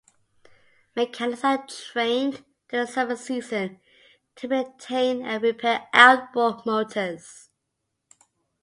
Mechanics are trained during the summer season to maintain and repair outboard motors.